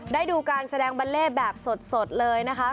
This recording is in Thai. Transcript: ได้ดูการแสดงบัลเล่แบบสดเลยนะคะ